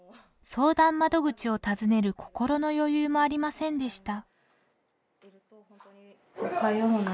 相談窓口を訪ねる心の余裕もありませんでした。